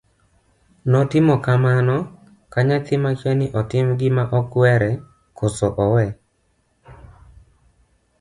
notimo kamano ka nyathi makia ni to otim gima okwere koso owe